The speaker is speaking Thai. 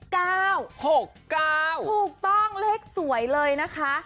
ถูกต้องเลขสวยเลยนะคะ